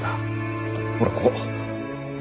ほらここ。